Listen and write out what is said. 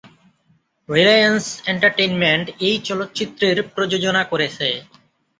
Reliance Entertainment এই চলচ্চিত্রের প্রযোজনা করেছে।